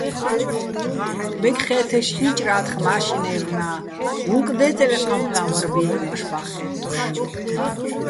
ბეკხე́თეშ ჰ̦ი́ჭრა́თხ მაშინერეჼ, უ̂ნკ დე́წელო ეჴამფლა́ჼ ვარბი-აჲნო̆, ვაშბა́ხ ხე́ტტოშ.